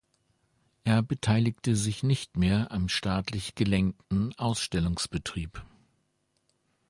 Er beteiligte sich nicht mehr am staatlich gelenkten Ausstellungsbetrieb.